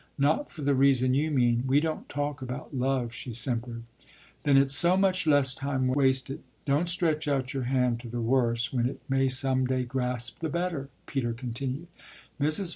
"Not for the reason you mean. We don't talk about love," she simpered. "Then it's so much less time wasted. Don't stretch out your hand to the worse when it may some day grasp the better," Peter continued. Mrs.